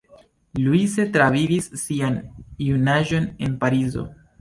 Louise travivis sian junaĝon en Parizo.